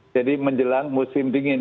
jadi menjelang musim dingin